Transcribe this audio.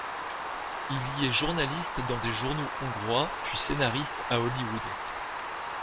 Il y est journaliste dans des journaux hongrois, puis scénariste à Hollywood.